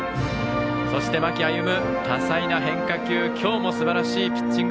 そして間木歩多彩な変化球、今日すばらしいピッチング。